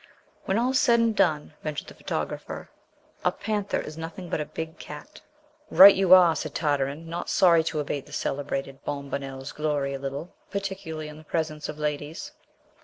"When all's said and done," ventured the photographer, "a panther is nothing but a big cat." "Right you are!" said Tartarin, not sorry to abate the celebrated Bombonnel's glory a little, particularly in the presence of ladies.